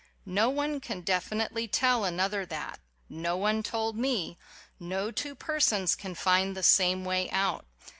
No one can definitely tell another that. No one told me. No two persons can find the same way out.